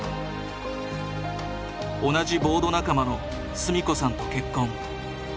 同じボード仲間の純子さんと結婚。